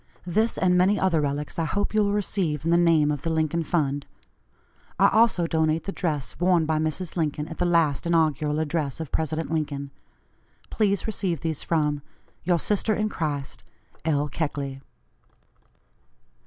This, and many other relics, I hope you will receive in the name of the Lincoln fund. I also donate the dress worn by Mrs. Lincoln at the last inaugural address of President Lincoln. Please receive these from Your sister in Christ, "L. KECKLEY."